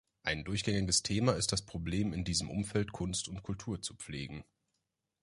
Ein durchgängiges Thema ist das Problem, in diesem Umfeld Kunst und Kultur zu pflegen.